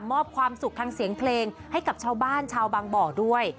มอบความสุขทางเสียงเพลงให้กับชาวบ้านชาวบางบ่อด้วย